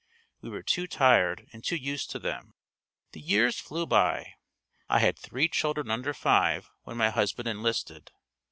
We were too tired and too used to them. The years flew by. I had three children under five when my husband enlisted.